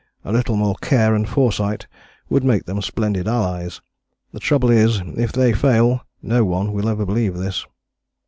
A little more care and foresight would make them splendid allies. The trouble is that if they fail, no one will ever believe this."